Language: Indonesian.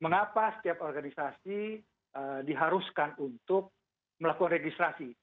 mengapa setiap organisasi diharuskan untuk melakukan registrasi